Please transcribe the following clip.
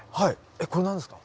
えっこれ何ですか？